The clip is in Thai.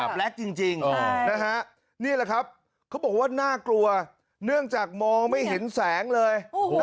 จริงนะฮะนี่แหละครับเขาบอกว่าน่ากลัวเนื่องจากมองไม่เห็นแสงเลย